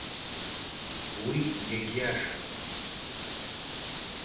Уи иагьиашан.